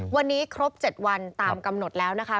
วันนี้ครบ๗วันตามกำหนดแล้วนะคะ